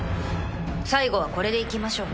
最後はこれでいきましょう。